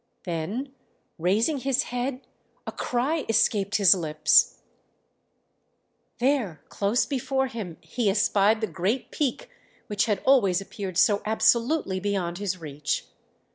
Then raising his head a cry escaped his lips ... there close before him he espied the great peak which had always appeared so absolutely beyond his reach.